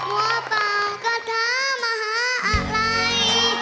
ว่าป่ากระทะมหาอะไร